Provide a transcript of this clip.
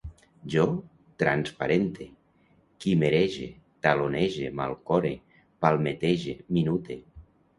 Jo transparente, quimerege, talonege, malcore, palmetege, minute